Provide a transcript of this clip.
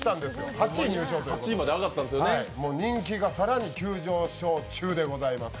８位入賞ということで人気が更に急上昇中でございます。